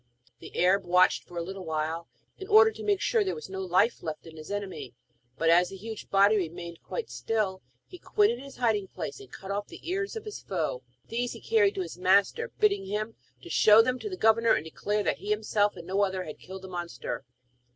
The Arab watched for a little while, in order to make sure that there was no life left in his enemy, but as the huge body remained quite still, he quitted his hiding place, and cut off the ears of his foe. These he carried to his master, bidding him show them to the governor, and declare that he himself, and no other, had killed the monster.